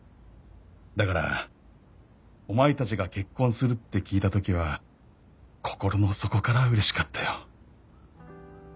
「だからお前たちが結婚するって聞いた時は心の底から嬉しかったよ」